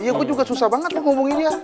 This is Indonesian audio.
iya gua juga susah banget ngomongin dia